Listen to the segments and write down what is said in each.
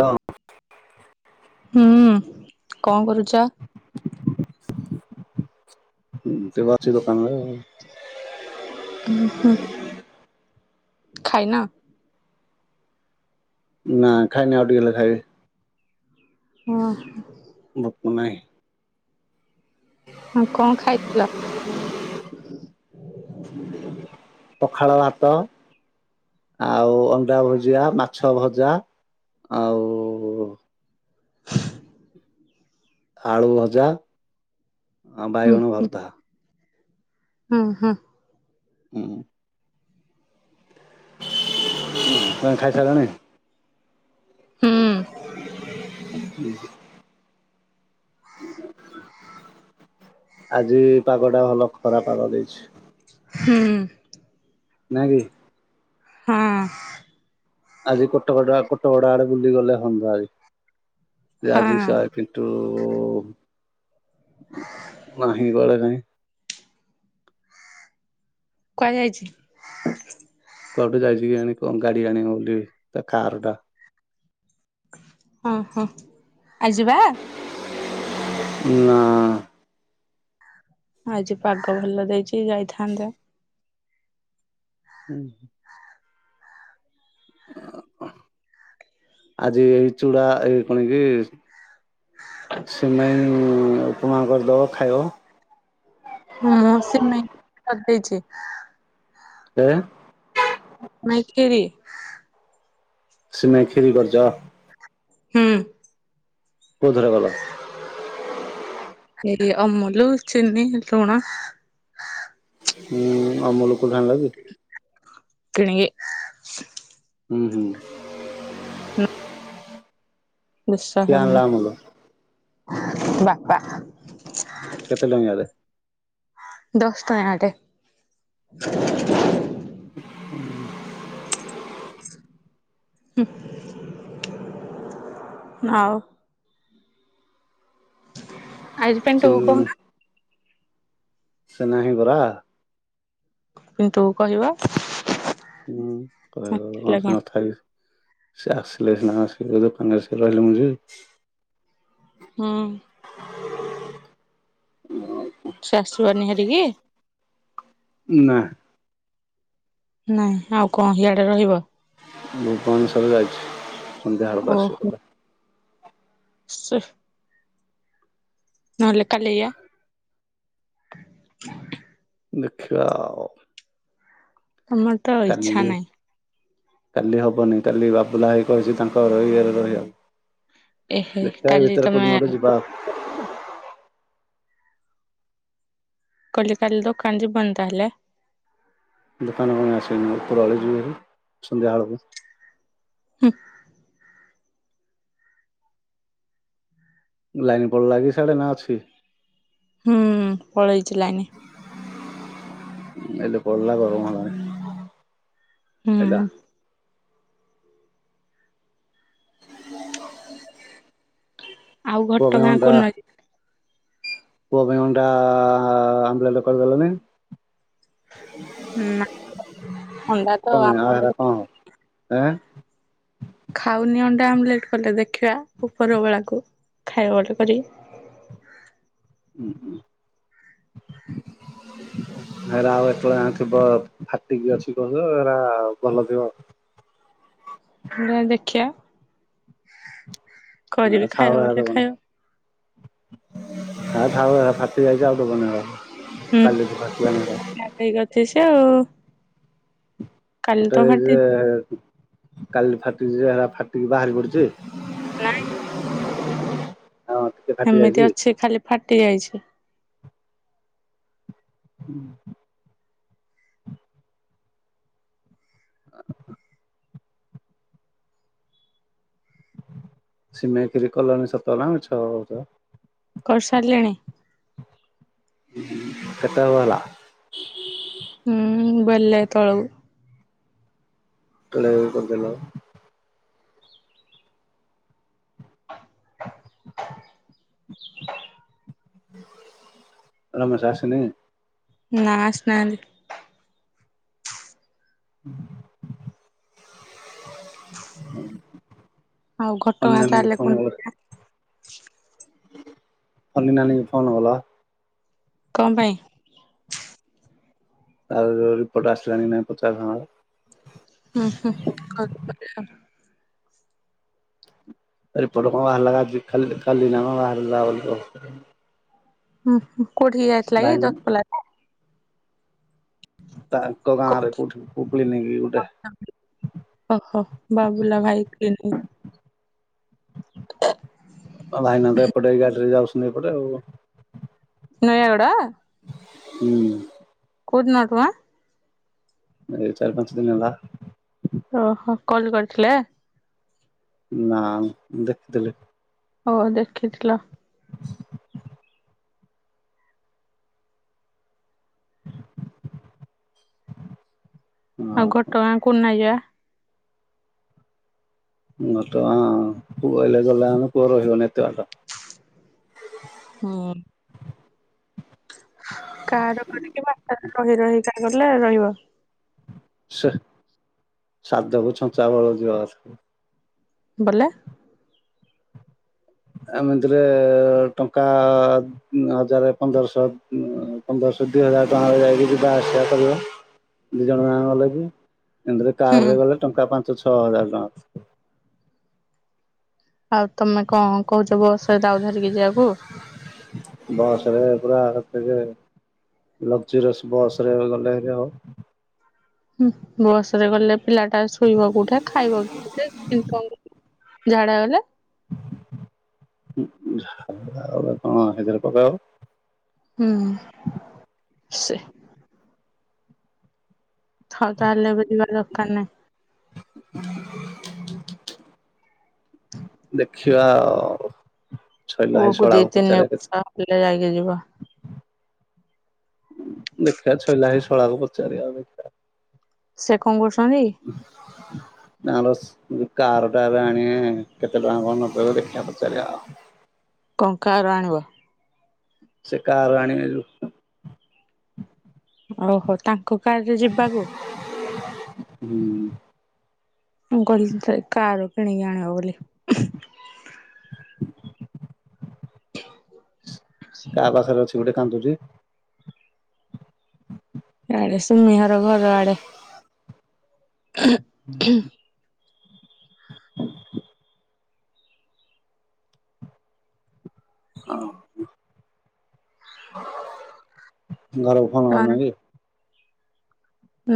Hello. ହୁଁ କଣ କରୁଛ। ଏମିତି ବସିଛି ଦୋକାନ ଘରେ ଆଉ। ଉଁ ହୁଁ ଖାଇନ। ନା ଖାଇନି ଆଉ ଟିକେ ଗଲେ ଖାଇବି। ହଁ। କଁ ପାଇଁ। ହଁ କଁ ଖାଇଥିଲ। ପଖାଳ ଭାତ। ଆଉ ଅଣ୍ଡା ଭୁଜିଆ ମାଛ ଭଜା ଆଉ ଆଳୁ ଭଜା ଆ ବାଇଗଣ ଭର୍ତା। ହଁ, ହଁ। ଅଁ, ତୋମେ ଖାଇ ସାଇଲଣି? ହୁଁ। [unintelligible] ଆଜି ପାଗ ଟା ଭଲ ଖରା ପାଗ ଦେଇଛି। ହୁଁ। ନା କି? ହଁ। ଆଜି କଟଗଡିଆ କଟକଡା ଆଡେ ବୁଲି ଗଲେ ହଅନ୍ତା ଆଜି। ଯେ ଆଜି ହଁ ସାଏ ପିଣ୍ଟୁ ନାହିଁ ଘରେ କାଇଁ? କୁଆଡେ ଯାଇଛି? କୁଆଡୁ ଯାଇଛି କେଜାଣି କଣ ଗାଡି ଆଣିବ ବୋଲି ତା କାର୍ ଟା। ହଁ ହଁ ଆ ଯିବା? ନା। ଆଜି ପାଗ ଭଲ ଦେଇଚି ଯାଇଥାନ୍ତେ। ହୁଁ, ହଁ। ଆଜି ଏଇ ଚୁଡା, ଏଇ କଣ କି ସିମେଇ ଉପମା କରିଦବ ଖାଇବ। ମୁଁ ସିମେଇ କରିଦେଇଛି। କେ ନାଇ କ୍ଷୀରି? ସିମେଇ କ୍ଷୀରି କରିଚ? ହଁ। କୋଉଥିରେ କଲ? ନେଲେ ଅମୂଲୁ, ଚିନି, ଲୁଣ। ହୁଁ ଅମୂଲ କୋଉଠୁ ଆଣିଲକି? କିଣିକି। ହୁଁ, ହୁଁ। ବିଶା କିଏ ହଉନି, ଆଣିଲା ଅମୁଲ ବାପା କେତେ ଟଙ୍କାରେ? ଦଶ ଟଙ୍କା ଟେ? ହୁଁ। ହୁଁ, ଆଉ ଆଜି ପାଇଁ ଚିନି କହୁ ସେ ନାହିଁ ପରା। ପିଣ୍ଟୁକୁ କହିବ ନା କହିବ ହଁ ନଥିଲେ ସେ କଣ ନଥାାଇ ସେ ଆସିଲେ ସିନା ଆସିଲେ ଦୋକାନରେ ସେ ରହିଲେ ମୁଁ ଯିବି। ହଁ। ସେ ଆସିବନି ହେରିକି? ନା। ନା ଆଉ କଣ ସିଆଡେ ରହିବ? ଭୁବନେଶ୍ବର ଯାଇଛି ସନ୍ଧ୍ୟା ବେଳକୁ ଆସିବ ଦୋଧେ। ସି ନହେଲେ କାଲି ଯିବା। ଦେଖିବା। ତୋମର ତ ଇଚ୍ଛା କାଲି ନାହିଁ। କାଲି ହବନି, କାଲି ବାବୁଲା ଭାଇ କହିଚି ତାଙ୍କର ଇଏରେ ରହିବା [inaudible] ଏହେ ଦେଖିବା କାଲି ୟାଭିତରେ ତମେ କୋଉ ଦିନ ଯିବା କଲି କାଲି ଦୋକାନ ଯିବନି ତା ହେଲେ ଦୋକାନ କଣ ଆସନି ଉପରଳି ଯିବ ସନ୍ଧ୍ୟାବେେଳକୁ ହଁ ଲାଇନ ପଳ ଲାଗି ସାଡେ ନା ଅଛି? ହୁଁ, ପଳେଇଛି ଲାଇନି ଏଲେ ପଳେଇଲା ଗରମ ହେଲାଣି ହୁଁ। ଆଇଲା। ଆଉ ପୁଅ ଘଟ ପାଇଁ ଗାଁ ଅଣ୍ଡା କଉ ନ [unintelligible] ପୁଅ ପାଇଁଟା ଅଣ୍ଡା ଆଁ ଆମ୍ଲେଟ୍ କରିଦଲେଣି। ନା ଅଣ୍ଡା ତ ଆ ଆମଲେଟ ର କ [inaudible] ଆଁ। ଖାଉନି ଅଣ୍ଡା ଆମ୍ଲେଟ କଲେ ଦେଖିବା ଉପର ବଳାକୁ ଖାଇବା ଅଡର୍ କରିବି? ହୁଁ, ହୁଁ [inaudible] [inaudible] ଏରା ଆଉ ଏତବେଳେ ଯାଁ ଥିବ ଫାଟିକି ଅଛି କହଛୁ ଏାରା ଭଲ ଥିବ? [unintelligible] ଦେଖିବା ହଁ କରିବି ଥାଉ ଖାଇବା ହେରା ବୋଲି ଦବନି ଖାଇବ ହେରା ଥାଉ ଏ ଗୁଡାକ ଫାଟିଯାଇଛି। ଆଉ [unintelligible] କାଲିକି ଚା [inaudible] [unintelligible] କାଲି ଭାତ [inaudible] [unintelligible] ଫାଟିକି ବାହାରି ପଡୁଛି ହ [inaudible] ହଁ ଟିକେ ଫାଟି ଏମିତି ଯାଇଛି ଅଛି, ଖାଲି ଫାଟି ଯାଇଛି। ହୁଁ। ହ [inaudible] ସିମେଖିରି କଲନା ସତ ନା ମିଛ କହୁଚ? କରସାରିଲେଣି। କେତେବେଳା ହେଲା ହୁଁ, ବେଲେ ତଳକୁ କଣ କରଦ [inaudible] ର ମଜ ଆସୁନି ନା, ଆସିନାହାନ୍ତି। [inaudible] ଆଉ ଘଟ ଘାଁ [unintelligible] କଣ [unintelligible] [unintelligible] କଣ ପାଇଁ? ଆ ରିପୋର୍ଟ ଆସିଲାଣିି ନା ନାଇଁ ପଚାରିଳଣିନା? ହୁଁ ରିପୋର୍ଟ କଣ ବାହାରିଲା ଆଜି କାଲି କାଲି ନା କଣ ବାହାରିଲା ବୋଲି କଣ? ହୁଁଁ, ହୁଁ କୋଉଠିକି ଆଇଥିଲା କି? [unintelligible] ତାଙ୍କ ଗାଁରେ କଉଠି [unintelligible] ନେଇକି ଗୋଟେ ଅ ହୋ, ବାବୁଲା ଭାଇକି ନେଇ ହ [inaudible] ଭାଇନା ତ ଏପଟେ ଏ ଗାଡିରେ ଯାଉଛନ୍ତି ଏପଟେ ଆଉ ନୂୟାଗଡ଼ା ହୁଁ। କୋଉଦିନ [unintelligible] ଏ ଚାରି ପାଞ୍ଚ ଦିନ ହେଲା ଓହୋ କଲ କରିଥିଲେ? ନା ଦେଖି ଦେଲେ। ହଁ ଦେଖିଥିଲ। ଆଉ ଘଟଗାଁ କୋଉ ଦିନ ଯିବା?? ଘଟ ଗାଁ ପୁଅ ଆଇଲା ଗଲା ପୁଅ କୁଆଡ଼େ ଯିବାନି ଏତେ ବାଟ। ହଁ। କାର କରିକି ବାଟରେ ରହି ରହିକା ଗଲେ ରହିବ। ସେ ସାଧକୁ ଛଞ୍ଚା ବଳ ଯିବା କଥା। ବଲେ। ଏମିତିରେ ଟଙ୍କା ହଜାର ପନ୍ଦରଶହ। ପନ୍ଦରଶହ ଦି ହଜାର ଟଙ୍କା ଯାଇକି ଯିବା ଆସିବା କରିବା ଦି ଜଣ ଗାଁ ଗଲେ କି। ଏମିତି ରେ ହୁଁ କାର ରେ ଗଲେ ଟଙ୍କା ପାଞ୍ଚ ଛଅ ହଜାର ଟଙ୍କା। ଆଉ ତମେ କଣ କହୁଛ ବସ ରେ ତାକୁ ଧରିକି ଯିବାକୁ। ବସରେ ପୁରା ଆର। [unintelligible] ଲକ୍ଜରିୟସ ବସରେ ଗଲେ ହେରି ହବ। ହୁଁ ବସ ରେ ଗଲେ ପିଲାଟା ଶୋଇବା କୋଉଠେ ଖାଇବା କଉଠେ କିନ୍ତୁ କଣ। ଝାଡା ଗଲେ। ଝାଡ଼ା ଗଲେ କଣ ସେଥିରେ ପକେଇବ। ହୁଁ ସେ। ହ ତାହଲେ ବୁଝିବା ଦରକାର ନାହିଁ। ଦେଖିବା ଆଉ। ଛଇଲା ଭାଇ ପୁଅକୁ ଦି ଶଳାକୁ ତିନି ପଚାରିବା କେତେ ବର୍ଷ ହେଲେ ଯାଇକି ଯିବ। ଦେଖିବା ଛଇଲା ଭାଇ ଶଳାକୁ ପଚାରିବା ଆଉ ଦେଖିବା। ସେ କଣ କରୁଛନ୍ତି? ତାଙ୍କର ଯୋଉ କାର ଟା ଏବେ ଆଣିବେ କେତେ ଟଙ୍କା କଣ ନ କହିବେ ଦେଖିବା ପଚରିବା ଆଉ। ଙ୍କ କାର ଆଣିବ। ସେ କାର ଆଣିବ ଯଉ। ଓହୋ ତାଙ୍କ କାରରେ ଯିବାକୁ। ହୁଁ ମୁଁ କହିଲି କ-କାର କିଣିକି ଆଣିବ ବୋଲି। କାହା ପାଖରେ ଅଛି ଗୋଟେ କାନ୍ଦୁଛି। ଆଡେ ସୁମି ଘର ଘର ଆଡେ। ହ ହଁ। ଘରକୁ ଫୋନ କରିନ କି?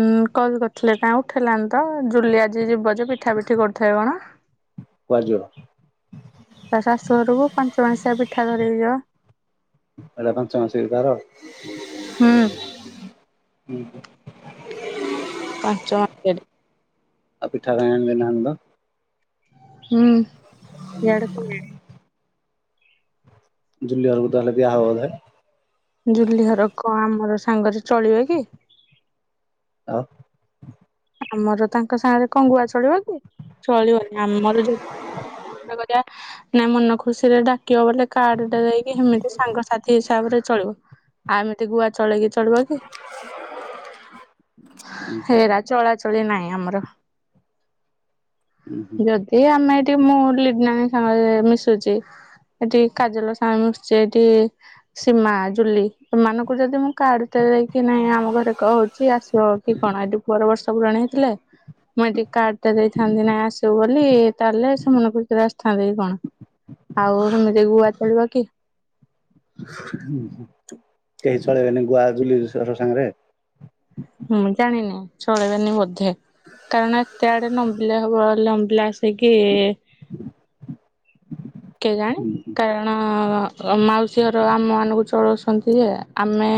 ଉୁଁ କଲ କରିଥିଲେ କାଇଁ ଉଠେଇଲାନି ତ ଜୁଲି ଆଜି ଯିବ ଯେ ପିଠା ପିଠି କରୁଥାଏ କଣ। କୁଆଡ଼େ ଯିବ। ତା ଶାଶୁ ଘରକୁ ପାଞ୍ଚ ମସିଆ ପିଠା ଧରିକି ଯିବ। ଏଟା ପଞ୍ଚମାସ କି ତାର। ହୁଁ ହୁଁ। ପାଞ୍ଚ ମା [inaudible] ଟେ। ଆଉ ପିଠା କାହିଁ ଆଣି ଦେଇ ନାହାନ୍ତି ତ। ହୁଁ ଇଆଡେ ହୁଏନି। ଜୁ୍ଲି ଘରକୁ ତାହେଲେ ଦିଅ ହବ ବଧେ। ଜୁଲି ଘର କଣ ଆମର ସାଙ୍ଗରେ ଚଳିବେ କି। ଆଉ। ଆମର ତା ତାଙ୍କ ସାଙ୍ଗରେ ଙ୍କ ଗୁଆ ଚଳିବ କି ଚଳିବନି ଆମର ଯଦି [inaudible] କରିବା। ନା ମନ ଖୁସିରେ ଡାକିବ ବୋ କାର୍ଡଟା ଦେଇକି ସେମିତି ସାଙ୍ଗସଥି ହିସାବରେ। ଚଳିବ ଆଉ ଏମିତି ଗୁଆ ଚଳେଇକି ଚଳିବ କି। ହେରା ଚଳାଚଳି ନାହିଁ ଆମର। ଯଦି ଆମେ ଏଠି ମୁଁ ଲିନା ସାଙ୍ଗରେ ମିଶୁଛି ଏଠି କାଜଲ ସାଙ୍ଗରେ ମିଶୁଛି ଏଠି ସୀମା ଜୁଲି ଏମାନଙ୍କୁ ଯଦି ମୁଁ କାଡ ଟେ ଦେଇକି ନାଇଁ ଆମ ଘରେ କହୁଛି ଆସିବ କି କଣ ଏଠି ପୁଅର ବର୍ଷ ପୁରାନି ହେଇଥିଲେ ମୁଇଁ ଟିକେ କାର୍ଡ ଟା ଦେଇଥାନ୍ତି ନାଇଁ ଆସିବୁ ବୋଲି ତାଲେ ସେ ମନ ଖୁସିରେ ଆସି ଥାନ୍ତେ କଣ ଆଉ ସେମିତି ଗୁଆ ଚଳିବ କି? କେହି ଚଳେଇବେନି ଗୁଆ ଜୁଲି ହର ସାଙ୍ଗରେ। ହୁଁ ଜାଣିନି ଚଳେଇିବନି ବୋଧେ କାରଣ ଏତେ ଆଡେ ଲମ୍ବିଲେ ହବ ପଲାସ ହେଇକି କେଗାଣି କାରଣ ମାଉସୀ ହର ଆମ ମାନଙ୍କୁ ଚଳଉଛନ୍ତି ଯେ ଆମେ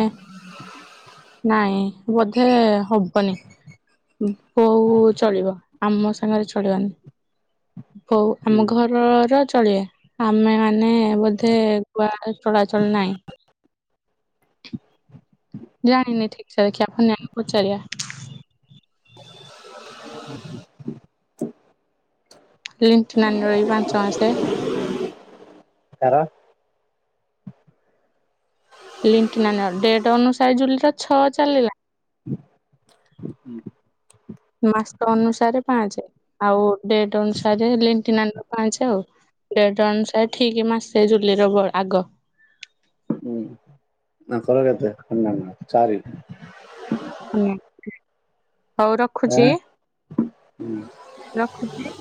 ନାଇଁ ବୋଧେ ହବନି ବୋଉ ଚଳିବ। ଆମ ସାଙ୍ଗରେ ଚଳିବନି ବଉ ଆମ ଘରର ଚଳିବେ ଆମେ ମାନ ବୋଧେ ଗୁଆ ଚଳାଚଳ ନାହିଁ। ଜାଣିନି ଠିକ୍ ସେ ଦେଖି [unintelligible] ପଚାରିବା? ଲିଣ୍ଟୀ ନାନୀ ର ଏ ପାଞ୍ଚ ମାସେ। ତାର ଲିଂତୀ ନାନି ର ଡେଟ ଅନୁସାରେ ଜୁଲି ଛଅ ଚାଲିଲା ହୁଁ। ମାସ ଅନୁସାରେ ପାଞ୍ଚେ ଆଉ ଡେଟ ଅନୁସାରେ ଲିଣ୍ଟୀ ନାନି ର। ପାଞ୍ଚ ଆଉ ଡେଟ ଅନୁସାରେ ଠିକ ମାସେ ଜୁଲିର ଆଗ। ହୁଁ ଆଙ୍କର କେତ କୁନି ନାନୀ ଚାରି ହୁଁ। ହଉ ରଖୁଛି ଏଁ ରଖୁଛି।